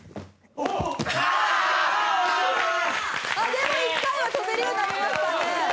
でも１回は跳べるようになりましたね。